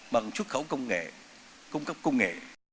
bằng xuất khẩu công nghệ cung cấp công nghệ